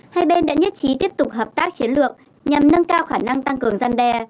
hai bên đã nhất trí tiếp tục hợp tác chiến lược nhằm nâng cao khả năng tăng cường gian đe